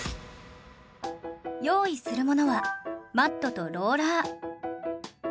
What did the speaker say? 用意するものはマットとローラー